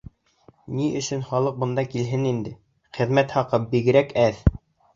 Ни өсөн халыҡ бында килһен инде, хеҙмәт хаҡы бигерәк әҙ.